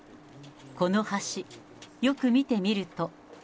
この橋、よく見てみると。